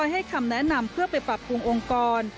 ให้คำแนะนำเพื่อไปปรับปรุงองค์กร